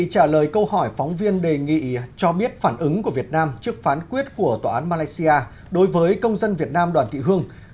trả lời câu hỏi phóng viên đề nghị cho biết phản ứng của việt nam trước phán quyết của tòa án malaysia đối với công dân việt nam đoàn thị hương